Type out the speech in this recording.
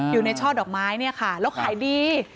อยู่ในช่อดอกไม้นะครับแล้วขายดี